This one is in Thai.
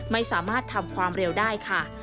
ไม่สามารถทำความเร็วได้ค่ะ